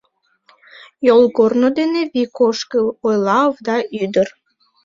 — Йолгорно дене вик ошкыл, — ойла овда ӱдыр.